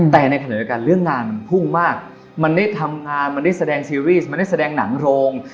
แต่ในขณะเดียวกันเรื่องงานมันพุ่งมากมันได้ทำงานมันได้แสดงซีรีส์มันได้แสดงหนังโรง